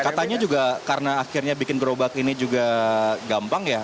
katanya juga karena akhirnya bikin gerobak ini juga gampang ya